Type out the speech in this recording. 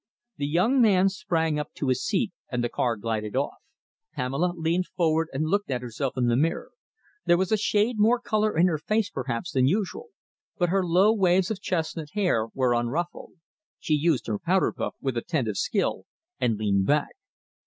The young man sprang up to his seat and the car glided off. Pamela leaned forward and looked at herself in the mirror. There was a shade more colour in her face, perhaps, than usual, but her low waves of chestnut hair were unruffled. She used her powder puff with attentive skill and leaned back.